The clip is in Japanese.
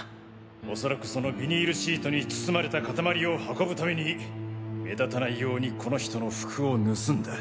おそらくそのビニールシートに包まれた塊を運ぶために目立たないようにこの人の服を盗んだ。